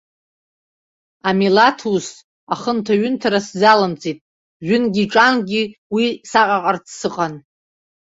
Амилаҭ ус ахынҭаҩынҭара сзалымҵит, жәынгьыҿангьы уи саҟаҟарц сыҟан.